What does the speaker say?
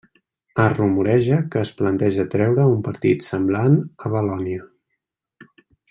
Es rumoreja que es planteja treure un partit semblant a Valònia.